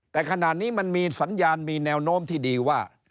แต่ขณะนี้มันมีสัญญาณมีแนวโน้มที่ดีว่า